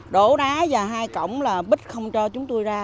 đổ đá và hai cổng là bích không cho chúng tôi ra